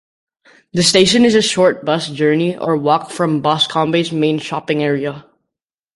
The station is a short bus journey or walk from Boscombe's main shopping area.